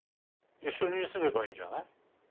一緒に住めばいいんじゃない？